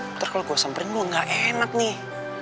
ntar kalau gue samperin gue gak hemat nih